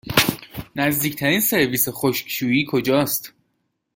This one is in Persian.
نزدیکترین سرویس خشکشویی کجاست؟